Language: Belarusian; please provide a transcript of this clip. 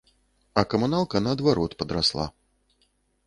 А камуналка, наадварот, падрасла.